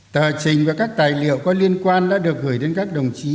tờ trình và các tài liệu có liên quan đã được gửi đến các đồng chí